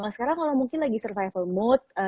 sekarang kalau mungkin lagi survival mode